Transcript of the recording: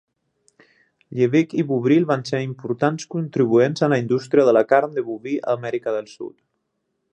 Liebig i Bovril van ser importants contribuents a la indústria de la carn de boví a Amèrica del Sud.